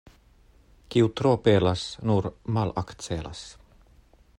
Kiu tro pelas, nur malakcelas.